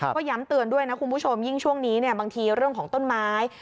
ก็ย้ำเตือนด้วยนะคุณผู้ชมยิ่งช่วงนี้บางทีเรื่องของต้นไม้